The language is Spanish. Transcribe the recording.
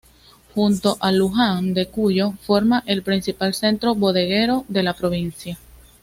Junto a Luján de Cuyo, forma el principal centro bodeguero de la provincia.